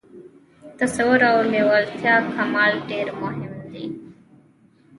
تصور او د لېوالتیا کمال ډېر مهم دي